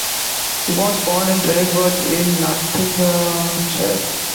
He was born in Rainworth in Nottinghamshire.